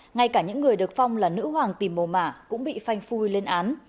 ngay cả những người được phong là nữ hoàng tìm mồ mả cũng bị phanh phui lên án